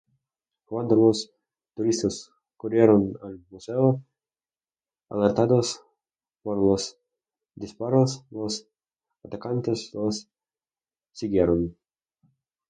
Cuando los turistas corrieron al museo alertados por los disparos, los atacantes los siguieron.